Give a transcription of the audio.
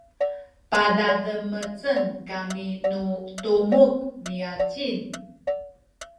padademecen kami nu tumuk miacin